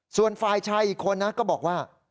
ส่วนฝ่ายชายอีกคนนะก็บอกว่า